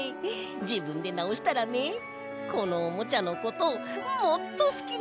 じぶんでなおしたらねこのおもちゃのこともっとすきになったんだ！